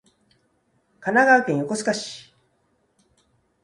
神奈川県横須賀市